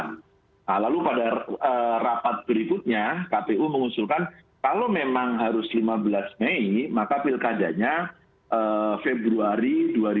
nah lalu pada rapat berikutnya kpu mengusulkan kalau memang harus lima belas mei maka pilkadanya februari dua ribu dua puluh